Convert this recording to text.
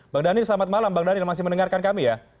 bang daniel selamat malam bang daniel masih mendengarkan kami ya